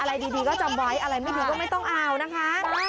อะไรดีก็จำไว้อะไรไม่ดีก็ไม่ต้องเอานะคะ